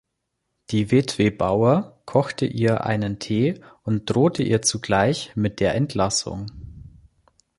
Die Witwe Bauer kochte ihr einen Tee und drohte ihr zugleich mit der Entlassung.